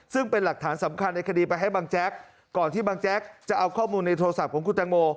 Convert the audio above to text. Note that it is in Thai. ซึ่งเป็นหลักฐานสำคัญในคดีไปให้บังแจ๊กก่อนที่บางแจ๊กจะเอาข้อมูลในโทรศัพท์ของคุณแตงโม